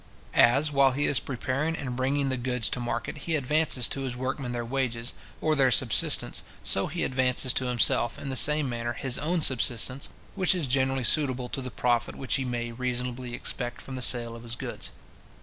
As, while he is preparing and bringing the goods to market, he advances to his workmen their wages, or their subsistence; so he advances to himself, in the same manner, his own subsistence, which is generally suitable to the profit which he may reasonably expect from the sale of his goods.